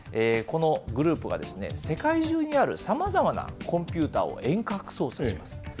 このグループが、世界中にあるさまざまなコンピューターを遠隔操作します。